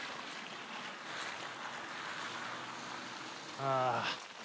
ああ。